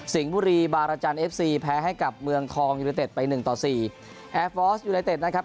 บุรีบารจันทร์เอฟซีแพ้ให้กับเมืองทองยูนิเต็ดไปหนึ่งต่อสี่แอร์ฟอร์สยูไนเต็ดนะครับ